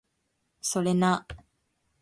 それな